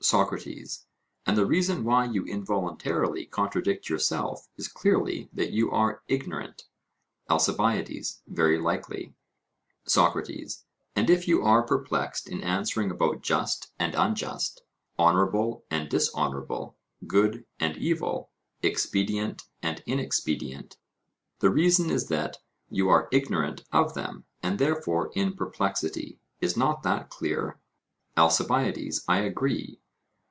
SOCRATES: And the reason why you involuntarily contradict yourself is clearly that you are ignorant? ALCIBIADES: Very likely. SOCRATES: And if you are perplexed in answering about just and unjust, honourable and dishonourable, good and evil, expedient and inexpedient, the reason is that you are ignorant of them, and therefore in perplexity. Is not that clear? ALCIBIADES: I agree.